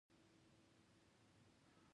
څنګه د وخت په تېرېدو بدلون مومي او پرمخ ځي.